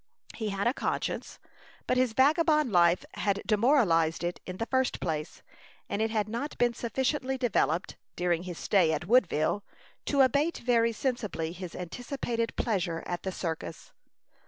He had a conscience, but his vagabond life had demoralized it in the first place, and it had not been sufficiently developed, during his stay at Woodville, to abate very sensibly his anticipated pleasure at the circus.